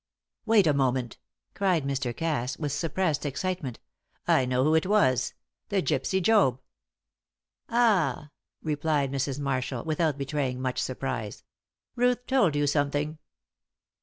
"Wait a moment!" cried Mr. Cass, with suppressed excitement. "I know who it was the gypsy, Job." "Ah!" replied Mrs. Marshall, without betraying much surprise. "Ruth told you something!"